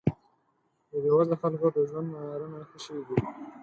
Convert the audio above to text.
د بې وزله خلکو د ژوند معیارونه ښه شوي دي